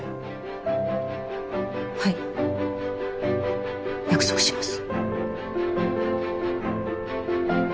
はい約束します。